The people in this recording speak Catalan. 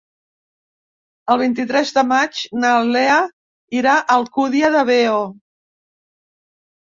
El vint-i-tres de maig na Lea irà a l'Alcúdia de Veo.